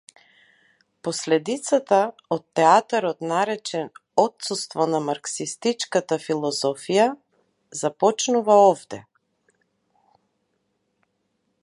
Последицата од театарот наречен отсуство на марксистичката филозофија, започнува овде.